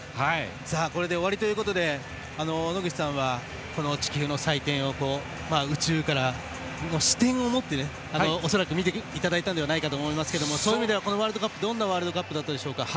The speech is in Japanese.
これで終わりということで野口さんはこの地球の祭典を、宇宙からの視点を持って恐らく見ていただいたと思うんですがそういう意味では、どういうワールドカップだったでしょうか。